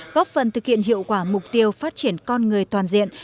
góp phần thực hiện hiệu quả mục tiêu phát triển con người toàn diện